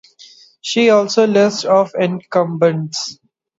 See also lists of incumbents.